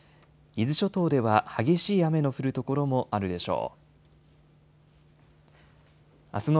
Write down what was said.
伊豆諸島では激しい雨の降る所もあるでしょう。